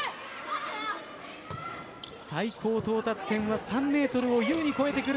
最高到達点は３ｍを優に超えてくる。